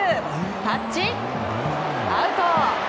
タッチアウト！